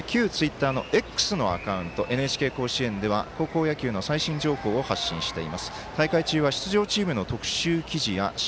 旧ツイッターのＸのアカウントＮＨＫ甲子園では高校野球の最新情報を発信しています。